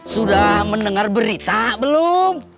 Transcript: sudah mendengar berita belum